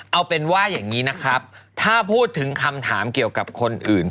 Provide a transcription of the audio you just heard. เอาเป็นว่าอย่างนี้นะครับถ้าพูดถึงคำถามเกี่ยวกับคนอื่น